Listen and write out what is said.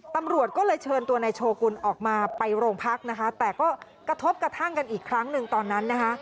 ตำรวจก็เลยเชิญตัวนายโชกุลออกมาไปโรงพักนะคะแต่ก็กระทบกระทั่งกันอีกครั้งหนึ่งตอนนั้นนะคะ